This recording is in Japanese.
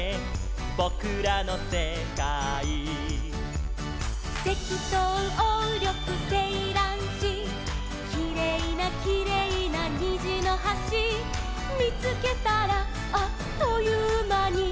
「ぼくらのせかい」「セキトウオウリョクセイランシ」「きれいなきれいなにじのはし」「みつけたらあっというまに」